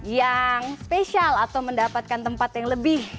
yang spesial atau mendapatkan tempat yang lebih